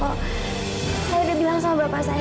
aida sudah bilang sama bapak saya